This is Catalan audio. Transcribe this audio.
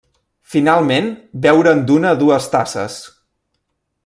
Finalment, beure'n d'una a dues tasses.